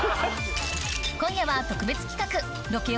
今夜は特別企画ロケ